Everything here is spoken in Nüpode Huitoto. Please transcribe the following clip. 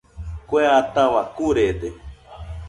Kue ataua kurede.